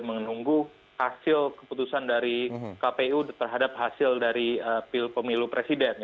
menunggu hasil keputusan dari kpu terhadap hasil dari pil pemilu presiden